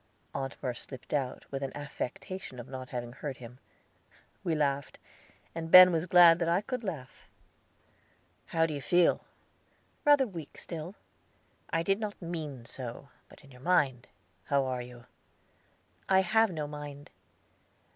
Aunt Merce slipped out, with an affectation of not having heard him. We laughed, and Ben was glad that I could laugh. "How do you feel?" "Rather weak still." "I do not mean so, but in your mind; how are you?" "I have no mind."